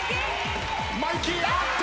マイキーあっと！